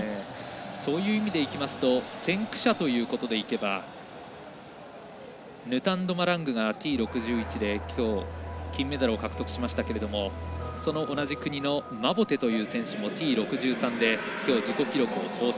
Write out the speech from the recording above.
そういう意味でいきますと先駆者ということでいけばヌタンド・マラングがＴ６１できょう、金メダルを獲得しましたけれども同じ国のマボテという選手もＴ６３で、きょう自己記録を更新。